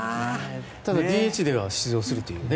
ただＤＨでは出場するっていう。